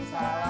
jangan lupa ya